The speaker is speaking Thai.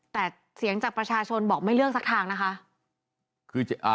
แต่เสียงจากประชาชนบอกไม่เลือกสักทางนะคะคืออ่า